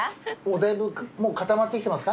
だいぶ固まってきてますか？